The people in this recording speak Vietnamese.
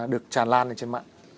được tràn lan trên mạng